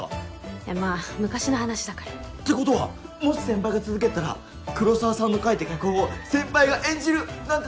いやまあ昔の話だから。ってことはもし先輩が続けてたら黒澤さんの書いた脚本を先輩が演じる！なんて